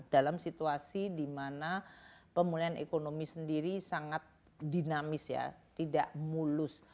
dalam situasi di mana pemulihan ekonomi sendiri sangat dinamis ya tidak mulus